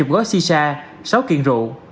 hai mươi gói si sa sáu kiện rượu